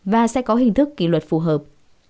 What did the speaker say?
và sẽ có hình thức kỷ luật phù hợp